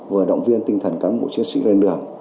vừa động viên tinh thần cán bộ chiến sĩ lên đường